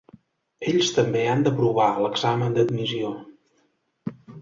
Ells també han d'aprovar l'examen d'admissió.